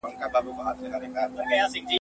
دوې میاشتي مو وتلي دي ریشتیا په کرنتین کي!